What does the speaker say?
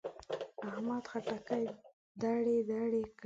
احمد خټکی دړې دړې کړ.